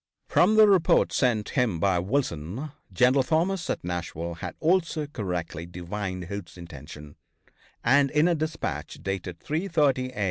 From the reports sent him by Wilson, General Thomas at Nashville had also correctly divined Hood's intention, and in a dispatch dated at 3:30 a.